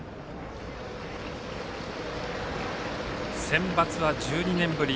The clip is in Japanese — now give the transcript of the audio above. センバツは１２年ぶり。